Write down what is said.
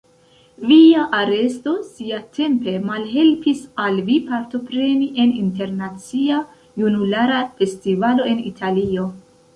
Via aresto siatempe malhelpis al vi partopreni en Internacia Junulara Festivalo en Italio.